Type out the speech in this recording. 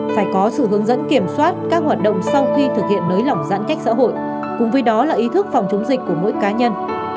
phải có sự hướng dẫn kiểm soát các hoạt động sau khi thực hiện nới lỏng giãn cách xã hội cùng với đó là ý thức phòng chống dịch của mỗi cá nhân